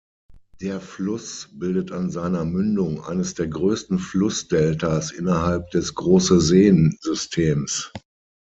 Der Fluss bildet an seiner Mündung eines der größten Flussdeltas innerhalb des Große-Seen-Systems.